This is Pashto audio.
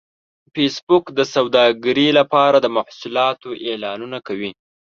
فېسبوک د سوداګرۍ لپاره د محصولاتو اعلانونه کوي